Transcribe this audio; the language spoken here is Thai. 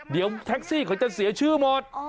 เดี๋ยวแท็กซี่เขาจะเสียชื่อหมด